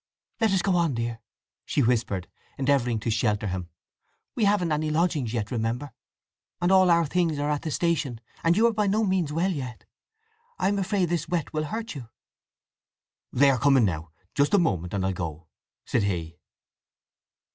"Let us go on, dear," she whispered, endeavouring to shelter him. "We haven't any lodgings yet, remember, and all our things are at the station; and you are by no means well yet. I am afraid this wet will hurt you!" "They are coming now. Just a moment, and I'll go!" said he.